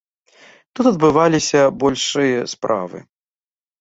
Тут адбываліся большыя справы.